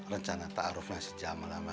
rencana ta'arufnya sejaman lama